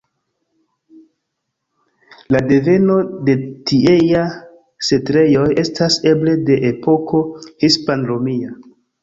La deveno de tiea setlejoj estas eble de epoko hispan-romia.